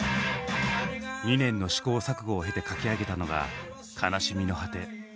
２年の試行錯誤を経て書き上げたのが「悲しみの果て」。